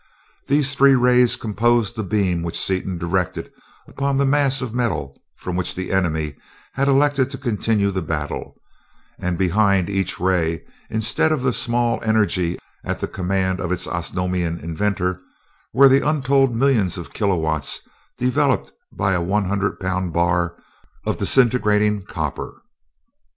These three rays composed the beam which Seaton directed upon the mass of metal from which the enemy had elected to continue the battle and behind each ray, instead of the small energy at the command of its Osnomian inventor, were the untold millions of kilowatts developed by a one hundred pound bar of disintegrating copper!